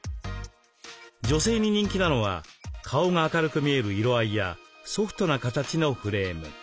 女性に人気なのは顔が明るく見える色合いやソフトな形のフレーム。